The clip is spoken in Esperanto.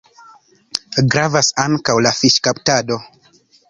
Gravas ankaŭ la fiŝkaptado.